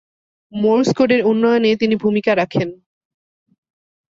Morse কোডের উন্নয়নে তিনি ভূমিকা রাখেন।